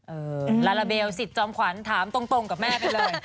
ลาลาเบลสิทธิ์จอมขวัญถามตรงกับแม่ไปเลย